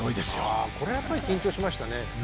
ああこれはやっぱり緊張しましたね。